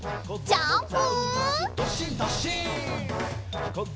ジャンプ！